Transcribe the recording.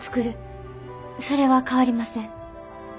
それは変わりません。